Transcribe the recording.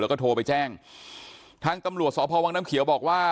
แล้วก็โทรไปแจ้งทางตำรวจสพวังน้ำเขียวบอกว่า